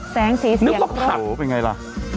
แสงสีเสียงโอ้โหเป็นไงล่ะ